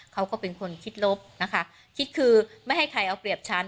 เขาก็เป็นคนคิดลบนะคะคิดคือไม่ให้ใครเอาเปรียบฉัน